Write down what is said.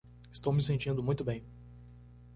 Estou me sentindo muito bem.